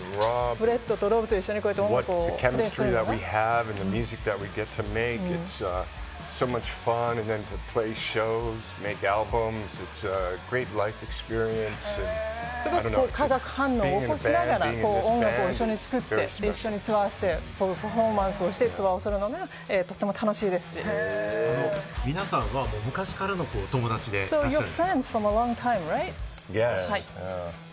ブレットとロブと一緒にこうやって音楽をやっていて、すごく化学反応を起こしながら音楽を一緒に作って一緒にツアーしてパフォーマンスをして、ツアーするのもと皆さんは昔からのお友達でいはい。